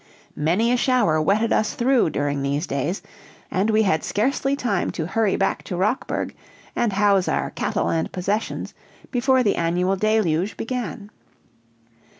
Many a shower wetted us through during these days, and we had scarcely time to hurry back to Rockburg and house our cattle and possessions before the annual deluge began.